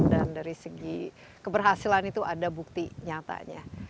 dan dari segi keberhasilan itu ada bukti nyatanya